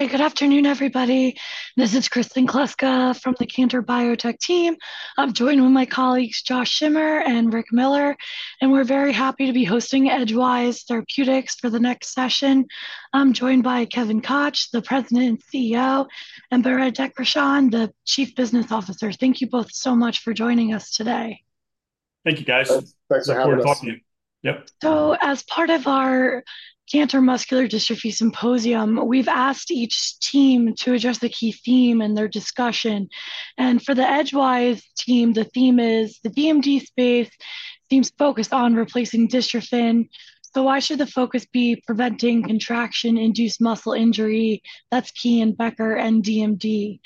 Good afternoon, everybody. This is Kristen Kluska from the Cantor Biotech team. I'm joined with my colleagues Josh Schimmer and Rick Miller, and we're very happy to be hosting Edgewise Therapeutics for the next session. I'm joined by Kevin Koch, the President and CEO, and Behrad Derakhshan, the Chief Business Officer. Thank you both so much for joining us today. Thank you, guys. Thanks for having us. Thanks for talking to us. Yep. So as part of our Cantor Muscular Dystrophy Symposium, we've asked each team to address the key theme in their discussion. And for the Edgewise team, the theme is the DMD space seems focused on replacing dystrophin. So why should the focus be preventing contraction-induced muscle injury? That's key in Becker and DMD.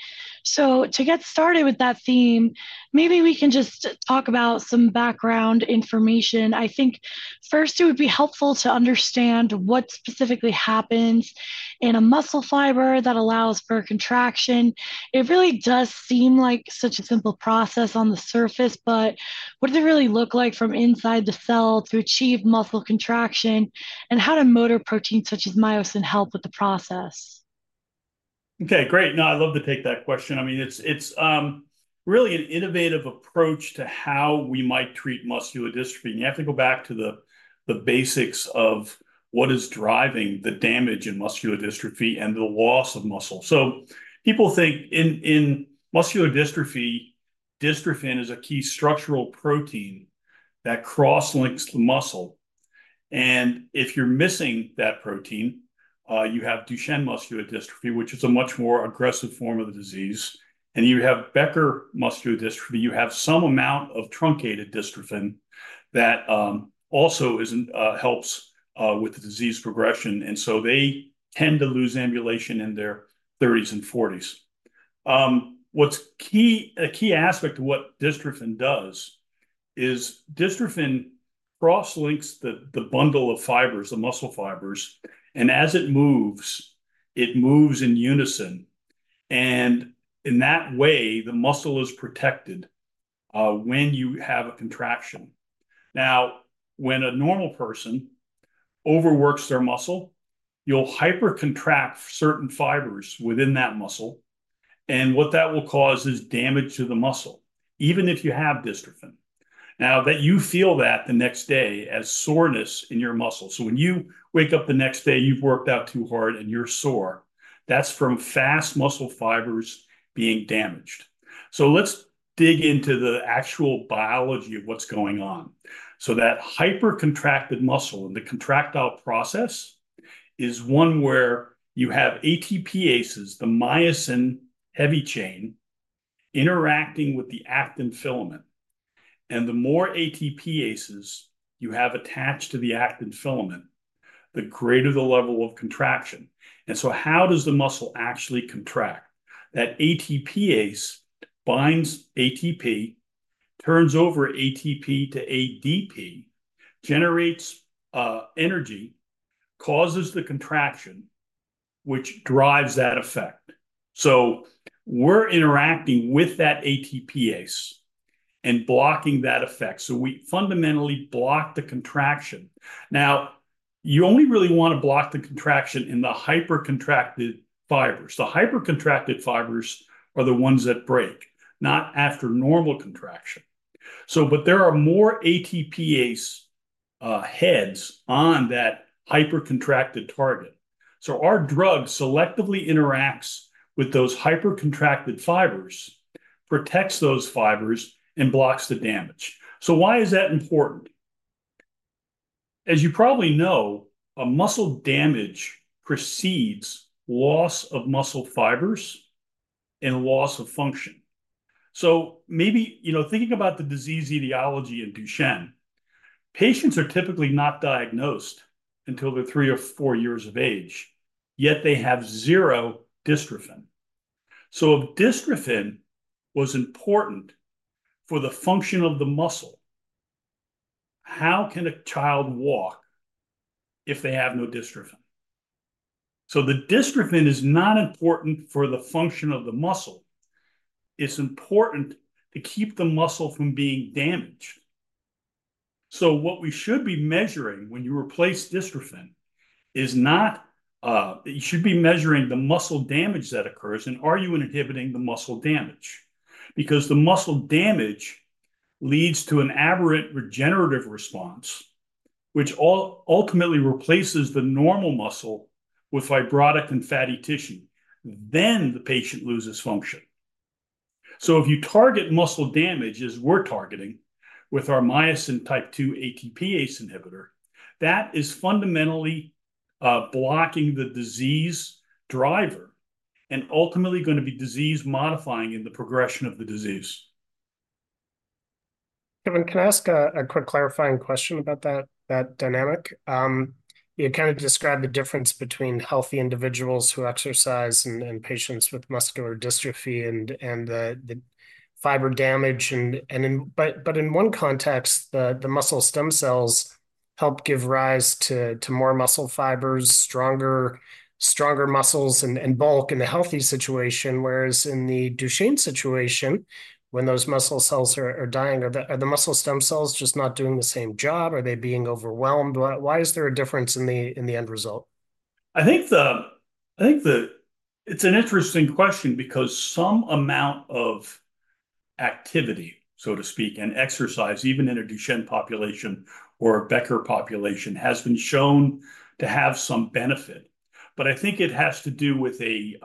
So to get started with that theme, maybe we can just talk about some background information. I think first it would be helpful to understand what specifically happens in a muscle fiber that allows for contraction. It really does seem like such a simple process on the surface, but what does it really look like from inside the cell to achieve muscle contraction, and how do motor proteins such as myosin help with the process? Okay, great. No, I love to take that question. I mean, it's really an innovative approach to how we might treat muscular dystrophy. You have to go back to the basics of what is driving the damage in muscular dystrophy and the loss of muscle. So people think in muscular dystrophy, dystrophin is a key structural protein that cross-links to the muscle. If you're missing that protein, you have Duchenne muscular dystrophy, which is a much more aggressive form of the disease. You have Becker muscular dystrophy. You have some amount of truncated dystrophin that also helps with the disease progression. So they tend to lose ambulation in their 30s and 40s. A key aspect of what dystrophin does is dystrophin cross-links the bundle of fibers, the muscle fibers, and as it moves, it moves in unison. And in that way, the muscle is protected when you have a contraction. Now, when a normal person overworks their muscle, you'll hyper-contract certain fibers within that muscle. And what that will cause is damage to the muscle, even if you have dystrophin. Now, that you feel that the next day as soreness in your muscle. So when you wake up the next day, you've worked out too hard and you're sore, that's from fast muscle fibers being damaged. So let's dig into the actual biology of what's going on. So that hyper-contracted muscle and the contractile process is one where you have ATPases, the myosin heavy chain, interacting with the actin filament. And the more ATPases you have attached to the actin filament, the greater the level of contraction. And so how does the muscle actually contract? That ATPase binds ATP, turns over ATP to ADP, generates energy, causes the contraction, which drives that effect. So we're interacting with that ATPase and blocking that effect. So we fundamentally block the contraction. Now, you only really want to block the contraction in the hyper-contracted fibers. The hyper-contracted fibers are the ones that break, not after normal contraction. But there are more ATPase heads on that hyper-contracted target. So our drug selectively interacts with those hyper-contracted fibers, protects those fibers, and blocks the damage. So why is that important? As you probably know, a muscle damage precedes loss of muscle fibers and loss of function. So maybe thinking about the disease etiology in Duchenne, patients are typically not diagnosed until they're 3 or 4 years of age, yet they have 0 dystrophin. So if dystrophin was important for the function of the muscle, how can a child walk if they have no dystrophin? So the dystrophin is not important for the function of the muscle. It's important to keep the muscle from being damaged. So what we should be measuring when you replace dystrophin is not. You should be measuring the muscle damage that occurs, and are you inhibiting the muscle damage? Because the muscle damage leads to an aberrant regenerative response, which ultimately replaces the normal muscle with fibrotic and fatty tissue. Then the patient loses function. So if you target muscle damage as we're targeting with our myosin type II ATPase inhibitor, that is fundamentally blocking the disease driver and ultimately going to be disease-modifying in the progression of the disease. Kevin, can I ask a quick clarifying question about that dynamic? You kind of described the difference between healthy individuals who exercise and patients with muscular dystrophy and the fiber damage. But in one context, the muscle stem cells help give rise to more muscle fibers, stronger muscles, and bulk in the healthy situation. Whereas in the Duchenne situation, when those muscle cells are dying, are the muscle stem cells just not doing the same job? Are they being overwhelmed? Why is there a difference in the end result? I think it's an interesting question because some amount of activity, so to speak, and exercise, even in a Duchenne population or a Becker population, has been shown to have some benefit. But I think it has to do with the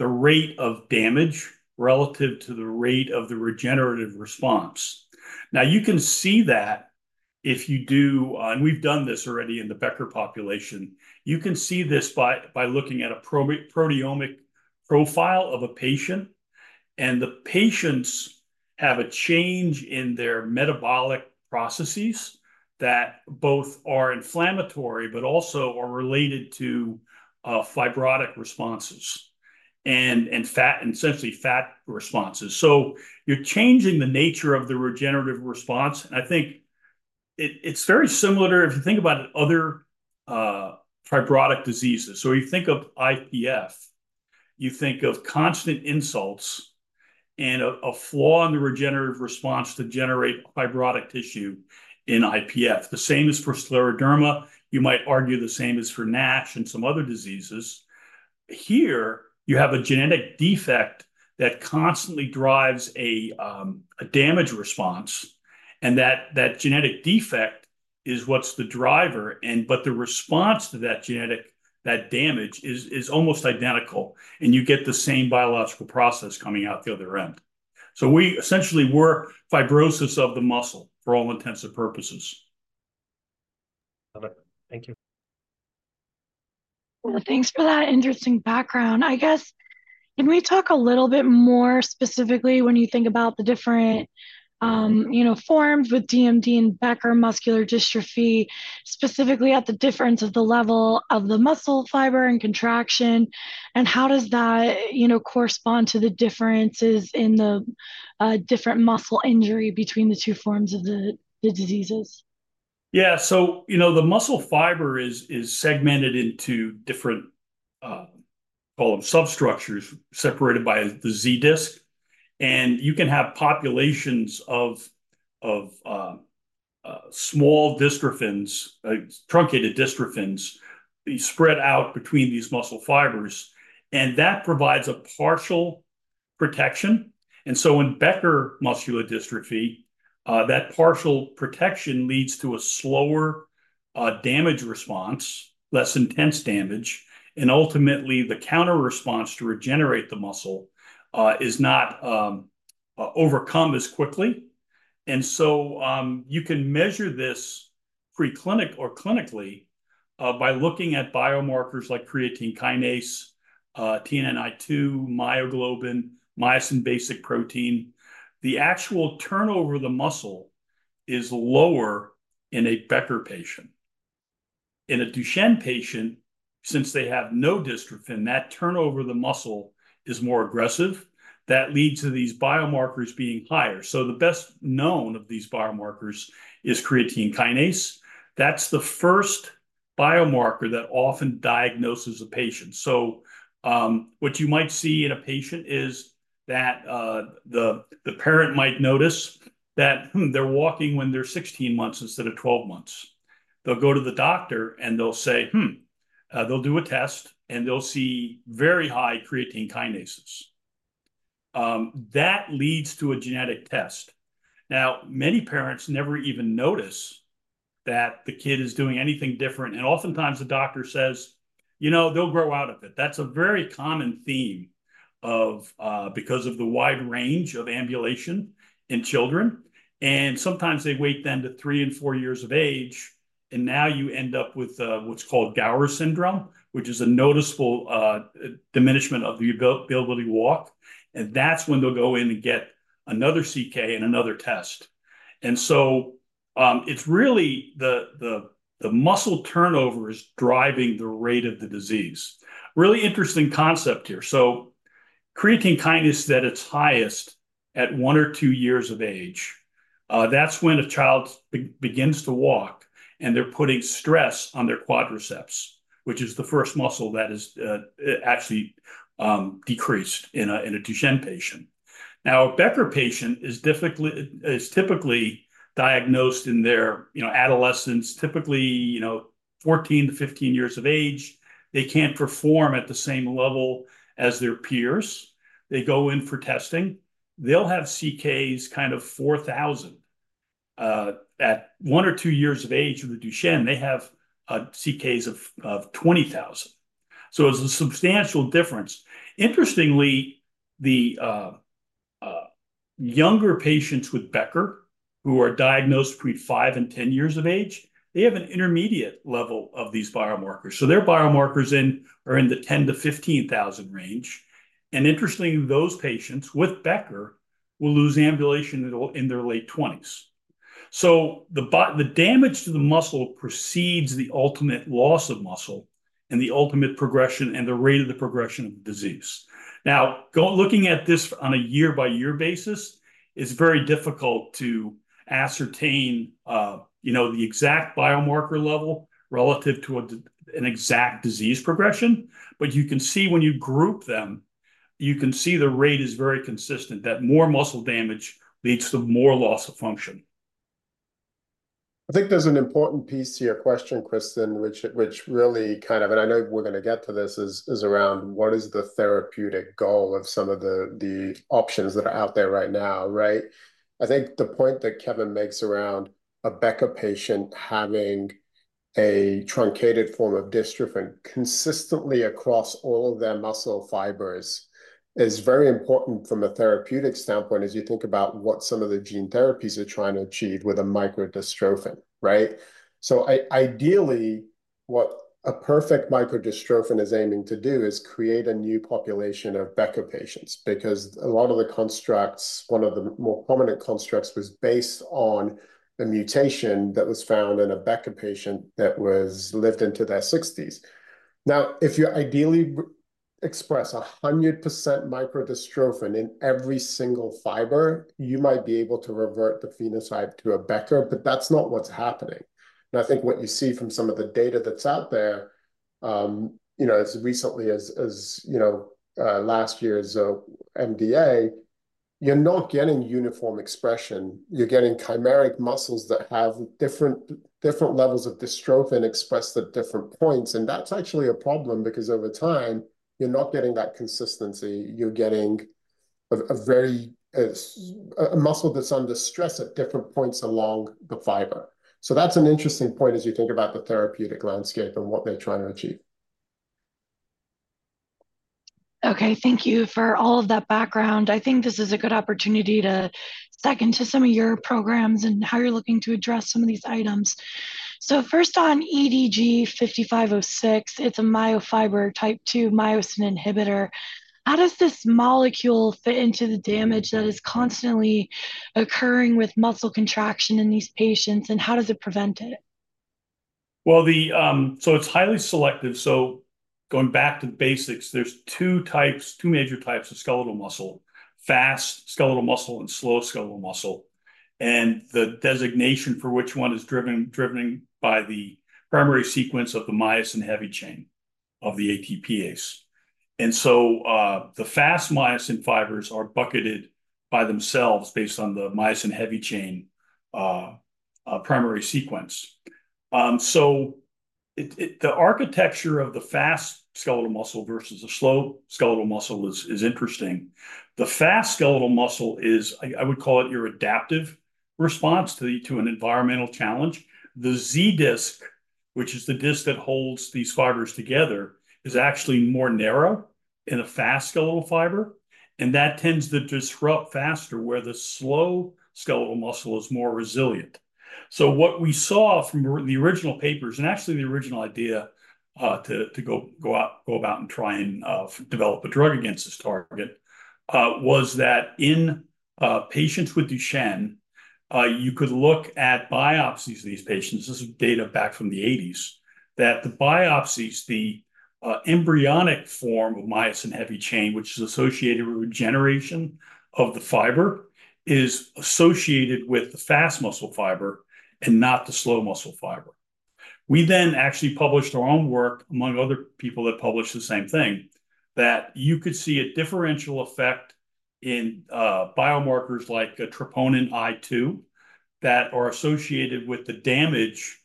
rate of damage relative to the rate of the regenerative response. Now, you can see that if you do and we've done this already in the Becker population. You can see this by looking at a proteomic profile of a patient. And the patients have a change in their metabolic processes that both are inflammatory but also are related to fibrotic responses and essentially fat responses. So you're changing the nature of the regenerative response. And I think it's very similar to if you think about other fibrotic diseases. So if you think of IPF, you think of constant insults and a flaw in the regenerative response to generate fibrotic tissue in IPF. The same is for scleroderma. You might argue the same is for NASH and some other diseases. Here, you have a genetic defect that constantly drives a damage response. And that genetic defect is what's the driver. But the response to that genetic damage is almost identical. And you get the same biological process coming out the other end. So essentially, we're fibrosis of the muscle for all intents and purposes. Got it. Thank you. Well, thanks for that interesting background. I guess, can we talk a little bit more specifically when you think about the different forms with DMD and Becker muscular dystrophy, specifically at the difference of the level of the muscle fiber and contraction? And how does that correspond to the differences in the different muscle injury between the two forms of the diseases? Yeah. So the muscle fiber is segmented into different, call them, substructures separated by the Z disk. And you can have populations of small dystrophins, truncated dystrophins, spread out between these muscle fibers. And that provides a partial protection. And so in Becker muscular dystrophy, that partial protection leads to a slower damage response, less intense damage. And ultimately, the counterresponse to regenerate the muscle is not overcome as quickly. And so you can measure this preclinically or clinically by looking at biomarkers like creatine kinase, TNNI2, myoglobin, myosin basic protein. The actual turnover of the muscle is lower in a Becker patient. In a Duchenne patient, since they have no dystrophin, that turnover of the muscle is more aggressive. That leads to these biomarkers being higher. So the best known of these biomarkers is creatine kinase. That's the first biomarker that often diagnoses a patient. So what you might see in a patient is that the parent might notice that they're walking when they're 16 months instead of 12 months. They'll go to the doctor, and they'll say. They'll do a test, and they'll see very high creatine kinases. That leads to a genetic test. Now, many parents never even notice that the kid is doing anything different. Oftentimes, the doctor says, "You know, they'll grow out of it." That's a very common theme because of the wide range of ambulation in children. Sometimes they wait then to 3 and 4 years of age. Now you end up with what's called Gower syndrome, which is a noticeable diminishment of the ability to walk. That's when they'll go in and get another CK and another test. So it's really the muscle turnover is driving the rate of the disease. Really interesting concept here. So, creatine kinase that it's highest at one or two years of age, that's when a child begins to walk, and they're putting stress on their quadriceps, which is the first muscle that is actually decreased in a Duchenne patient. Now, a Becker patient is typically diagnosed in their adolescence, typically 14 to 15 years of age. They can't perform at the same level as their peers. They go in for testing. They'll have CKs kind of 4,000. At one or two years of age with a Duchenne, they have CKs of 20,000. So it's a substantial difference. Interestingly, the younger patients with Becker who are diagnosed between five and 10 years of age, they have an intermediate level of these biomarkers. So their biomarkers are in the 10,000-15,000 range. Interestingly, those patients with Becker will lose ambulation in their late 20s. So the damage to the muscle precedes the ultimate loss of muscle and the ultimate progression and the rate of the progression of the disease. Now, looking at this on a year-by-year basis, it's very difficult to ascertain the exact biomarker level relative to an exact disease progression. But you can see when you group them, you can see the rate is very consistent, that more muscle damage leads to more loss of function. I think there's an important piece to your question, Kristen, which really kind of and I know we're going to get to this is around what is the therapeutic goal of some of the options that are out there right now, right? I think the point that Kevin makes around a Becker patient having a truncated form of dystrophin consistently across all of their muscle fibers is very important from a therapeutic standpoint as you think about what some of the gene therapies are trying to achieve with a microdystrophin, right? So ideally, what a perfect microdystrophin is aiming to do is create a new population of Becker patients because a lot of the constructs one of the more prominent constructs was based on a mutation that was found in a Becker patient that lived into their 60s. Now, if you ideally express 100% microdystrophin in every single fiber, you might be able to revert the phenotype to a Becker. But that's not what's happening. And I think what you see from some of the data that's out there, as recently as last year's MDA, you're not getting uniform expression. You're getting chimeric muscles that have different levels of dystrophin expressed at different points. And that's actually a problem because over time, you're not getting that consistency. You're getting a muscle that's under stress at different points along the fiber. So that's an interesting point as you think about the therapeutic landscape and what they're trying to achieve. Okay. Thank you for all of that background. I think this is a good opportunity to second to some of your programs and how you're looking to address some of these items. So first on EDG-5506, it's a myosin type II inhibitor. How does this molecule fit into the damage that is constantly occurring with muscle contraction in these patients? And how does it prevent it? Well, so it's highly selective. So going back to the basics, there's two major types of skeletal muscle: fast skeletal muscle and slow skeletal muscle. And the designation for which one is driven by the primary sequence of the myosin heavy chain of the ATPase. And so the fast myosin fibers are bucketed by themselves based on the myosin heavy chain primary sequence. So the architecture of the fast skeletal muscle versus the slow skeletal muscle is interesting. The fast skeletal muscle is, I would call it, your adaptive response to an environmental challenge. The Z disk, which is the disk that holds these fibers together, is actually more narrow in a fast skeletal fiber. And that tends to disrupt faster where the slow skeletal muscle is more resilient. So what we saw from the original papers and actually the original idea to go out and try and develop a drug against this target was that in patients with Duchenne, you could look at biopsies of these patients, this is data back from the 1980s, that the biopsies, the embryonic form of myosin heavy chain, which is associated with regeneration of the fiber, is associated with the fast muscle fiber and not the slow muscle fiber. We then actually published our own work, among other people that published the same thing, that you could see a differential effect in biomarkers like troponin I2 that are associated with the damage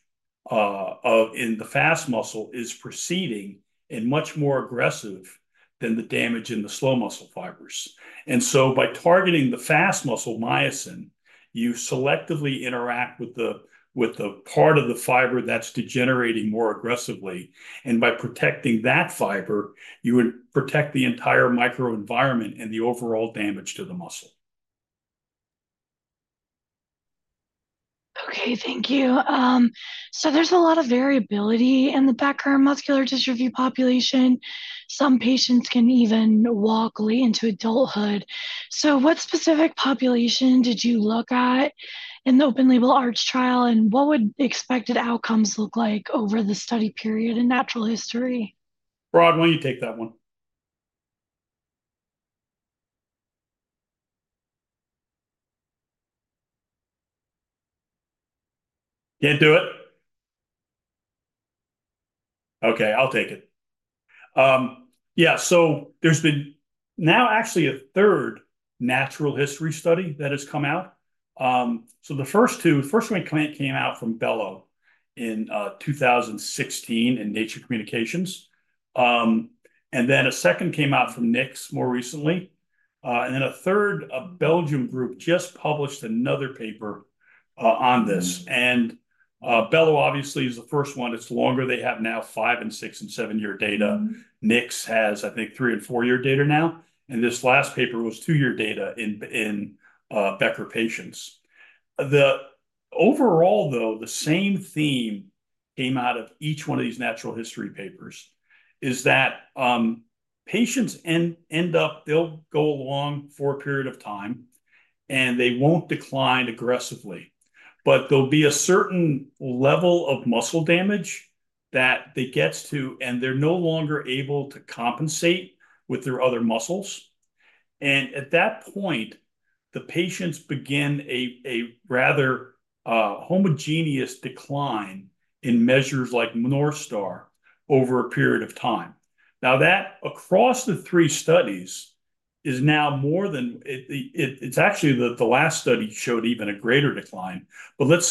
in the fast muscle is preceding and much more aggressive than the damage in the slow muscle fibers. And so by targeting the fast muscle myosin, you selectively interact with the part of the fiber that's degenerating more aggressively. By protecting that fiber, you would protect the entire microenvironment and the overall damage to the muscle. Okay. Thank you. There's a lot of variability in the Becker muscular dystrophy population. Some patients can even walk late into adulthood. What specific population did you look at in the open-label ARCH trial? And what would expected outcomes look like over the study period in natural history? Rod, why don't you take that one? Can't do it? Okay. I'll take it. Yeah. So there's been now actually a third natural history study that has come out. So the first two, the first one came out from Bello in 2016 in Nature Communications. And then a second came out from Niks more recently. And then a third, a Belgian group, just published another paper on this. And Bello, obviously, is the first one. It's longer. They have now 5 and 6 and 7-year data. Niks has, I think, 3 and 4-year data now. And this last paper was 2-year data in Becker patients. Overall, though, the same theme came out of each one of these natural history papers is that patients end up they'll go along for a period of time, and they won't decline aggressively. But there'll be a certain level of muscle damage that they get to, and they're no longer able to compensate with their other muscles. At that point, the patients begin a rather homogeneous decline in measures like North Star over a period of time. Now, that across the three studies is now more than it's actually the last study showed even a greater decline. But let's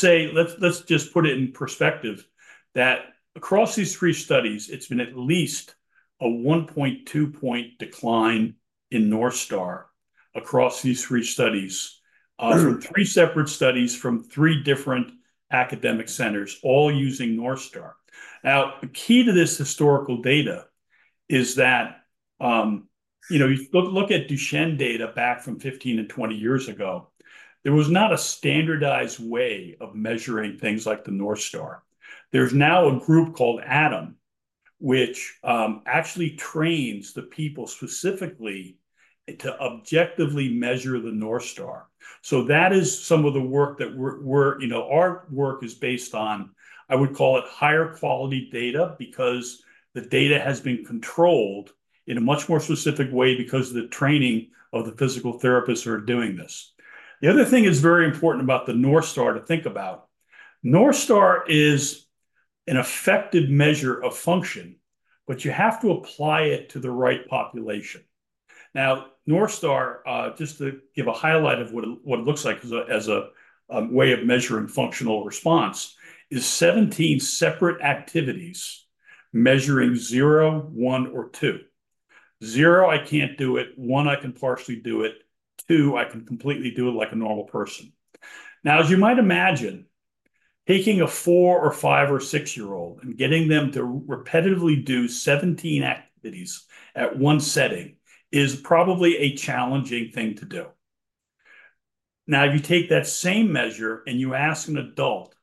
just put it in perspective that across these three studies, it's been at least a 1.2-point decline in North Star across these three studies from three separate studies from three different academic centers, all using North Star. Now, the key to this historical data is that you look at Duchenne data back from 15 and 20 years ago. There was not a standardized way of measuring things like the North Star. There's now a group called ATOM, which actually trains the people specifically to objectively measure the North Star. So that is some of the work that our work is based on, I would call it, higher quality data because the data has been controlled in a much more specific way because of the training of the physical therapists who are doing this. The other thing that's very important about the North Star to think about, North Star is an effective measure of function, but you have to apply it to the right population. Now, North Star, just to give a highlight of what it looks like as a way of measuring functional response, is 17 separate activities measuring 0, 1, or 2. 0, I can't do it. 1, I can partially do it. 2, I can completely do it like a normal person. Now, as you might imagine, taking a 4 or 5 or 6 year-old and getting them to repetitively do 17 activities at one setting is probably a challenging thing to do. Now, if you take that same measure and you ask an adult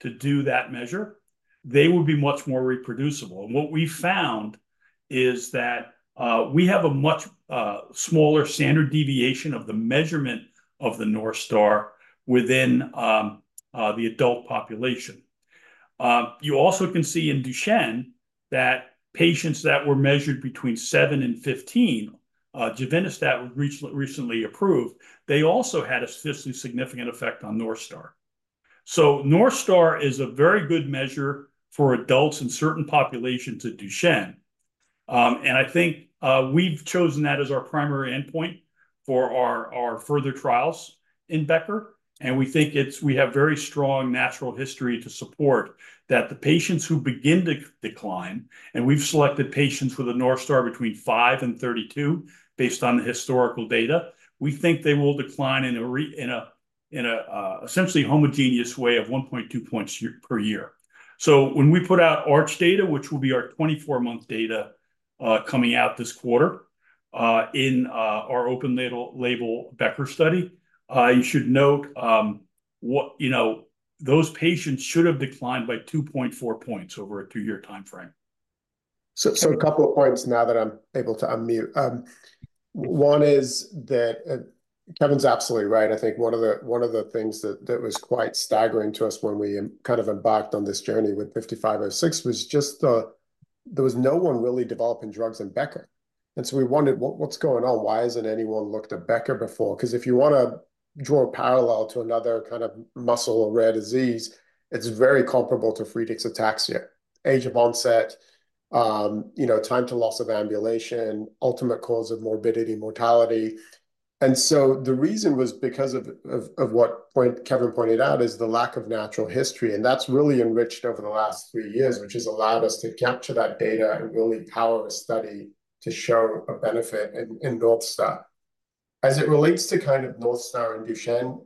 to do that measure, they would be much more reproducible. And what we found is that we have a much smaller standard deviation of the measurement of the North Star within the adult population. You also can see in Duchenne that patients that were measured between 7 and 15, Elevidys was recently approved, they also had a statistically significant effect on North Star. So North Star is a very good measure for adults in certain populations in Duchenne. And I think we've chosen that as our primary endpoint for our further trials in Becker. We think we have very strong natural history to support that the patients who begin to decline, and we've selected patients with a North Star between 5 and 32 based on the historical data, we think they will decline in an essentially homogeneous way of 1.2 points per year. When we put out ARCH data, which will be our 24-month data coming out this quarter in our Open Label Becker study, you should note those patients should have declined by 2.4 points over a 2-year time frame. So a couple of points now that I'm able to unmute. One is that Kevin's absolutely right. I think one of the things that was quite staggering to us when we kind of embarked on this journey with 5506 was just there was no one really developing drugs in Becker. And so we wondered, what's going on? Why hasn't anyone looked at Becker before? Because if you want to draw a parallel to another kind of muscle or rare disease, it's very comparable to Friedreich's ataxia: age of onset, time to loss of ambulation, ultimate cause of morbidity, mortality. And so the reason was because of what Kevin pointed out is the lack of natural history. And that's really enriched over the last three years, which has allowed us to capture that data and really power a study to show a benefit in North Star. As it relates to kind of North Star and Duchenne,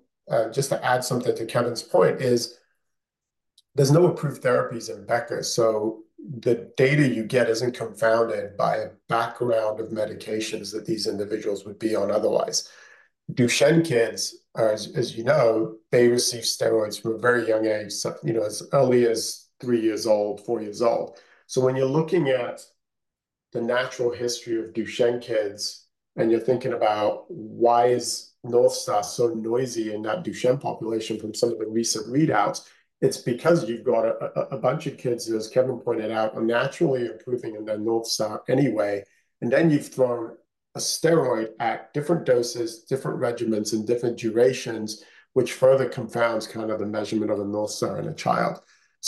just to add something to Kevin's point is there's no approved therapies in Becker. So the data you get isn't confounded by a background of medications that these individuals would be on otherwise. Duchenne kids, as you know, they receive steroids from a very young age, as early as three years old, four years old. So when you're looking at the natural history of Duchenne kids and you're thinking about why is North Star so noisy in that Duchenne population from some of the recent readouts, it's because you've got a bunch of kids, as Kevin pointed out, are naturally improving in their North Star anyway. And then you've thrown a steroid at different doses, different regimens, and different durations, which further confounds kind of the measurement of a North Star in a child.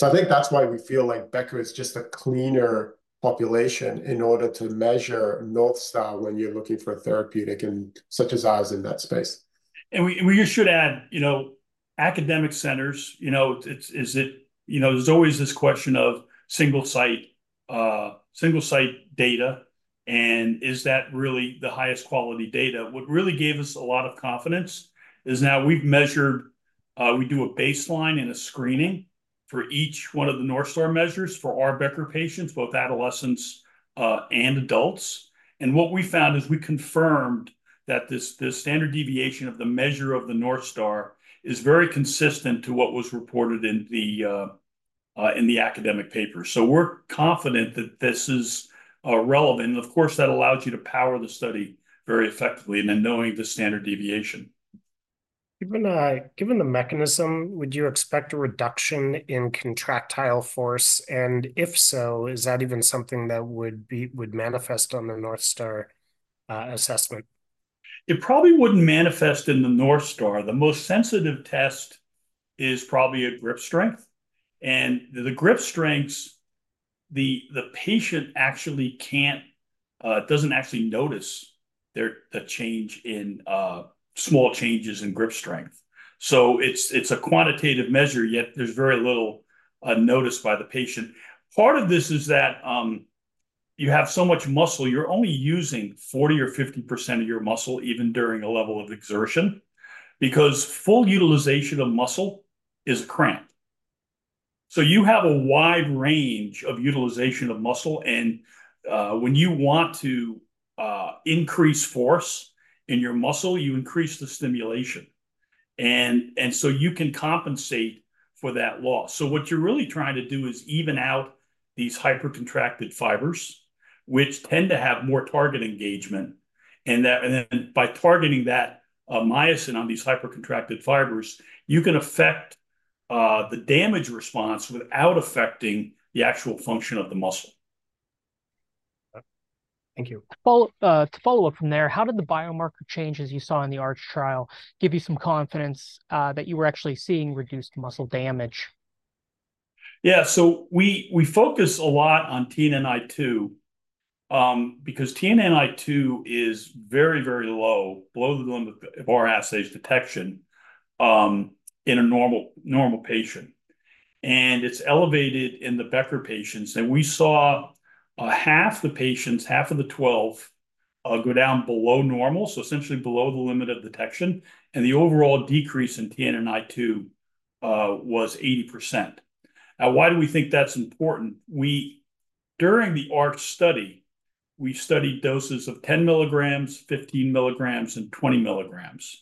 I think that's why we feel like Becker is just a cleaner population in order to measure North Star when you're looking for a therapeutic such as ours in that space. We just should add academic centers. Isn't there always this question of single-site data, and is that really the highest quality data? What really gave us a lot of confidence is now we've measured. We do a baseline and a screening for each one of the North Star measures for our Becker patients, both adolescents and adults. And what we found is we confirmed that this standard deviation of the measure of the North Star is very consistent to what was reported in the academic papers. So we're confident that this is relevant. And of course, that allows you to power the study very effectively and then knowing the standard deviation. Given the mechanism, would you expect a reduction in contractile force? And if so, is that even something that would manifest on the North Star assessment? It probably wouldn't manifest in the North Star. The most sensitive test is probably at grip strength. The grip strengths, the patient actually can't it doesn't actually notice the change in small changes in grip strength. So it's a quantitative measure, yet there's very little noticed by the patient. Part of this is that you have so much muscle, you're only using 40% or 50% of your muscle even during a level of exertion because full utilization of muscle is a cramp. So you have a wide range of utilization of muscle. When you want to increase force in your muscle, you increase the stimulation. So you can compensate for that loss. So what you're really trying to do is even out these hypercontracted fibers, which tend to have more target engagement. And then by targeting that myosin on these hypercontracted fibers, you can affect the damage response without affecting the actual function of the muscle. Thank you. To follow up from there, how did the biomarker changes you saw in the ARCH trial give you some confidence that you were actually seeing reduced muscle damage? Yeah. So we focus a lot on TNNI2 because TNNI2 is very, very low, below the limit of our assay's detection in a normal patient. And it's elevated in the Becker patients. And we saw half the patients, half of the 12, go down below normal, so essentially below the limit of detection. And the overall decrease in TNNI2 was 80%. Now, why do we think that's important? During the ARCH study, we studied doses of 10 mg, 15 mg, and 20 mg.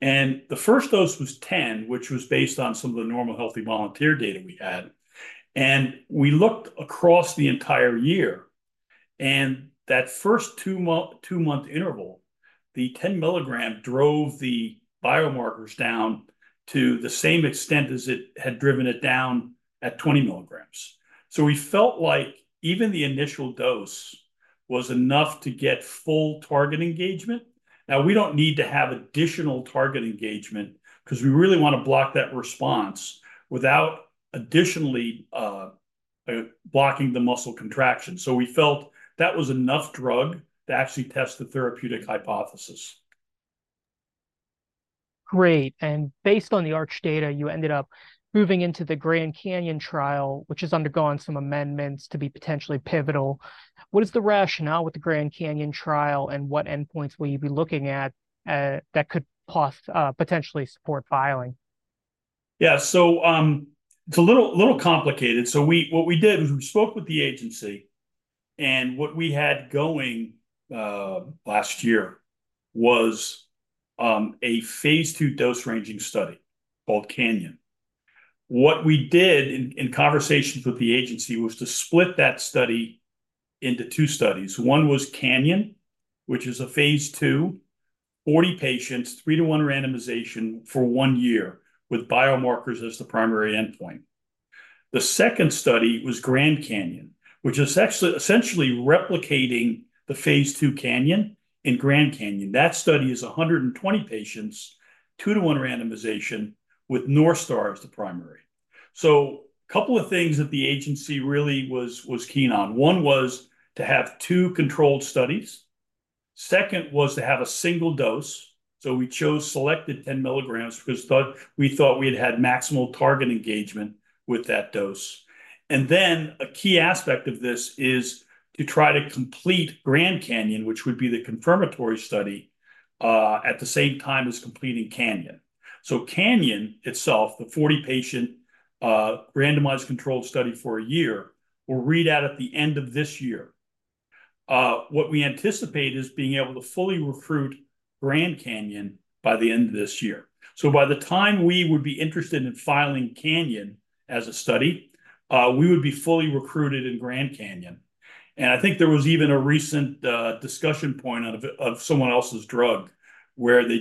And the first dose was 10, which was based on some of the normal healthy volunteer data we had. And we looked across the entire year. And that first two-month interval, the 10 mg drove the biomarkers down to the same extent as it had driven it down at 20 mg. So we felt like even the initial dose was enough to get full target engagement. Now, we don't need to have additional target engagement because we really want to block that response without additionally blocking the muscle contraction. So we felt that was enough drug to actually test the therapeutic hypothesis. Great. And based on the ARCH data, you ended up moving into the Grand Canyon trial, which has undergone some amendments to be potentially pivotal. What is the rationale with the Grand Canyon trial, and what endpoints will you be looking at that could potentially support filing? Yeah. So it's a little complicated. So what we did was we spoke with the agency. What we had going last year was a phase 2 dose ranging study called Canyon. What we did in conversations with the agency was to split that study into two studies. One was Canyon, which is a phase 2, 40 patients, 3:1 randomization for 1 year with biomarkers as the primary endpoint. The second study was Grand Canyon, which is essentially replicating the phase 2 Canyon in Grand Canyon. That study is 120 patients, 2:1 randomization with North Star as the primary. So a couple of things that the agency really was keen on. One was to have 2 controlled studies. Second was to have a single dose. So we chose selected 10 mgs because we thought we had had maximal target engagement with that dose. Then a key aspect of this is to try to complete Grand Canyon, which would be the confirmatory study, at the same time as completing Canyon. Canyon itself, the 40-patient randomized controlled study for a year, will read out at the end of this year. What we anticipate is being able to fully recruit Grand Canyon by the end of this year. By the time we would be interested in filing Canyon as a study, we would be fully recruited in Grand Canyon. I think there was even a recent discussion point on someone else's drug where they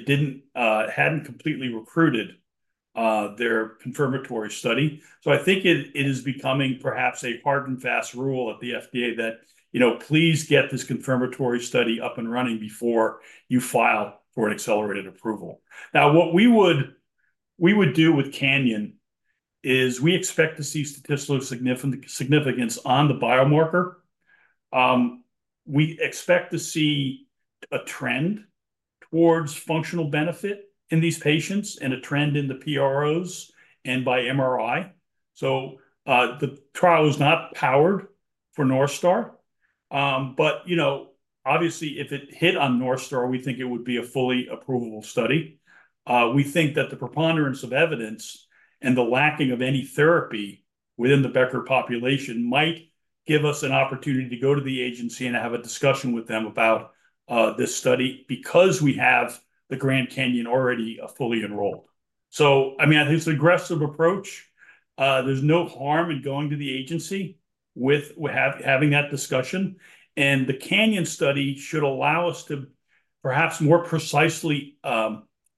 hadn't completely recruited their confirmatory study. I think it is becoming perhaps a hard-and-fast rule at the FDA that please get this confirmatory study up and running before you file for an accelerated approval. Now, what we would do with Canyon is we expect to see statistical significance on the biomarker. We expect to see a trend towards functional benefit in these patients and a trend in the PROs and by MRI. So the trial is not powered for North Star. But obviously, if it hit on North Star, we think it would be a fully approvable study. We think that the preponderance of evidence and the lacking of any therapy within the Becker population might give us an opportunity to go to the agency and have a discussion with them about this study because we have the Grand Canyon already fully enrolled. So I mean, it's an aggressive approach. There's no harm in going to the agency with having that discussion. The Canyon study should allow us to perhaps more precisely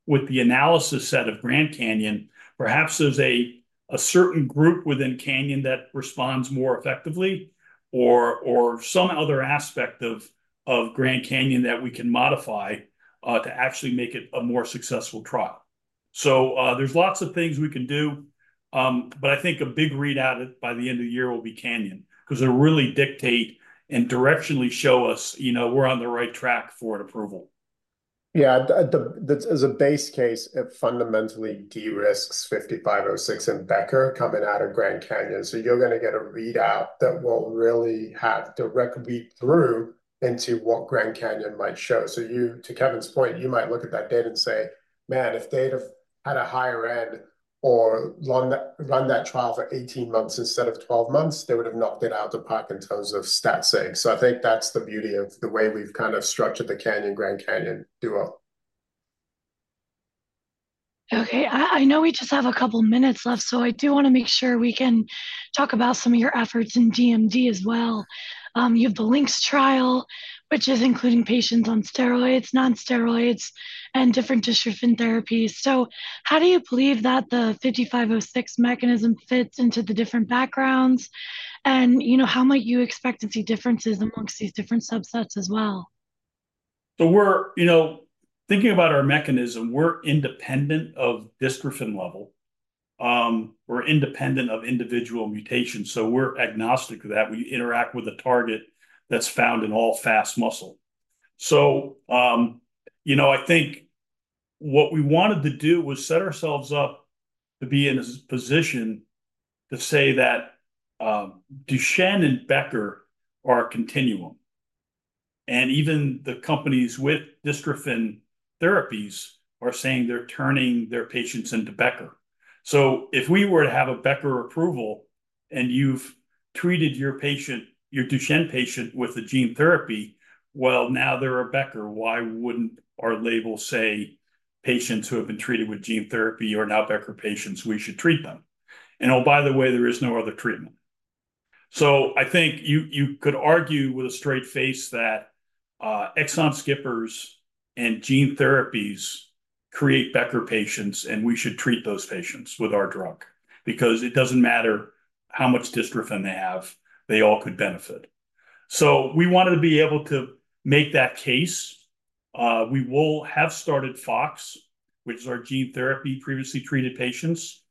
with the analysis set of Grand Canyon, perhaps there's a certain group within Canyon that responds more effectively or some other aspect of Grand Canyon that we can modify to actually make it a more successful trial. There's lots of things we can do. I think a big readout by the end of the year will be Canyon because it'll really dictate and directionally show us we're on the right track for an approval. Yeah. As a base case, it fundamentally de-risks 5506 and Becker coming out of Grand Canyon. So you're going to get a readout that will really have direct read-through into what Grand Canyon might show. So to Kevin's point, you might look at that data and say, "Man, if they'd have had a higher end or run that trial for 18 months instead of 12 months, they would have knocked it out the park in terms of stats." So I think that's the beauty of the way we've kind of structured the Canyon-Grand Canyon duo. Okay. I know we just have a couple of minutes left, so I do want to make sure we can talk about some of your efforts in DMD as well. You have the Lynx trial, which is including patients on steroids, non-steroids, and different dystrophin therapies. So how do you believe that the 5506 mechanism fits into the different backgrounds? And how might you expect to see differences amongst these different subsets as well? So thinking about our mechanism, we're independent of dystrophin level. We're independent of individual mutations. So we're agnostic of that. We interact with a target that's found in all fast muscle. So I think what we wanted to do was set ourselves up to be in a position to say that Duchenne and Becker are a continuum. And even the companies with dystrophin therapies are saying they're turning their patients into Becker. So if we were to have a Becker approval and you've treated your Duchenne patient with a gene therapy, well, now they're a Becker. Why wouldn't our label say, "Patients who have been treated with gene therapy are now Becker patients. We should treat them"? And oh, by the way, there is no other treatment. So I think you could argue with a straight face that exon skippers and gene therapies create Becker patients, and we should treat those patients with our drug because it doesn't matter how much dystrophin they have. They all could benefit. So we wanted to be able to make that case. We will have started FOX, which is our gene therapy previously treated patients.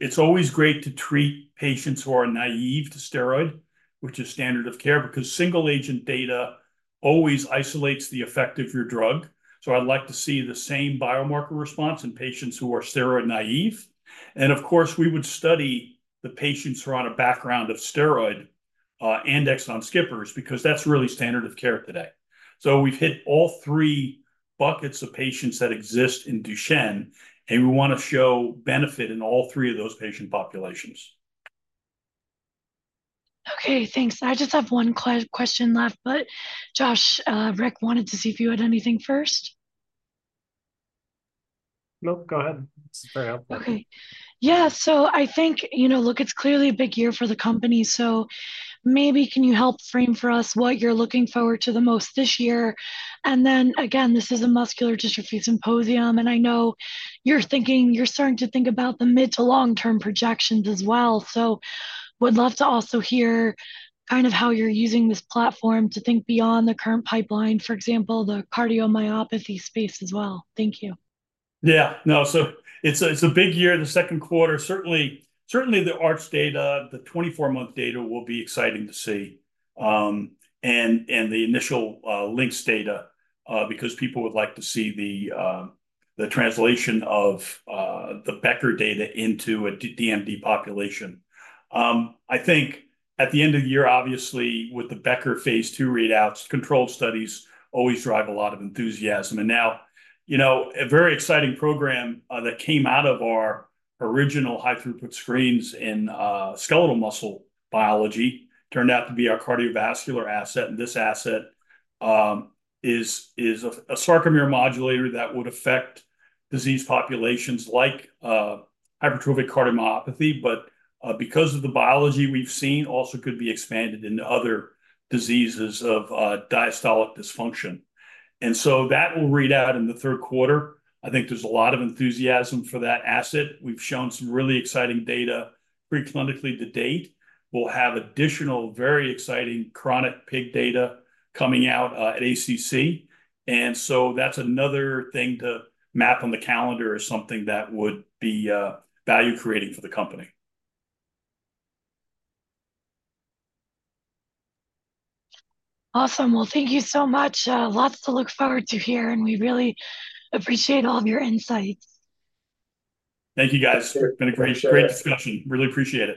It's always great to treat patients who are naive to steroid, which is standard of care because single-agent data always isolates the effect of your drug. So I'd like to see the same biomarker response in patients who are steroid naive. And of course, we would study the patients who are on a background of steroid and exon skippers because that's really standard of care today. We've hit all three buckets of patients that exist in Duchenne, and we want to show benefit in all three of those patient populations. Okay. Thanks. I just have one question left. But Josh, Rick wanted to see if you had anything first. Nope. Go ahead. This is very helpful. Okay. Yeah. So I think, look, it's clearly a big year for the company. So maybe can you help frame for us what you're looking forward to the most this year? And then again, this is a muscular dystrophy symposium, and I know you're starting to think about the mid to long-term projections as well. So would love to also hear kind of how you're using this platform to think beyond the current pipeline, for example, the cardiomyopathy space as well. Thank you. Yeah. No. So it's a big year. The second quarter, certainly the ARCH data, the 24-month data will be exciting to see, and the initial Lynx data because people would like to see the translation of the Becker data into a DMD population. I think at the end of the year, obviously, with the Becker phase 2 readouts, controlled studies always drive a lot of enthusiasm. And now, a very exciting program that came out of our original high-throughput screens in skeletal muscle biology turned out to be our cardiovascular asset. And this asset is a sarcomere modulator that would affect disease populations like hypertrophic cardiomyopathy, but because of the biology we've seen, also could be expanded into other diseases of diastolic dysfunction. And so that will read out in the third quarter. I think there's a lot of enthusiasm for that asset. We've shown some really exciting data pre-clinically to date. We'll have additional very exciting chronic pig data coming out at ACC. And so that's another thing to map on the calendar or something that would be value-creating for the company. Awesome. Well, thank you so much. Lots to look forward to here, and we really appreciate all of your insights. Thank you, guys. It's been a great discussion. Really appreciate it.